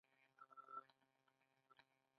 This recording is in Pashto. آیا کاناډا د زړو خلکو پالنه نه کوي؟